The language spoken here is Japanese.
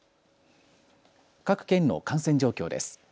各県の感染状況です。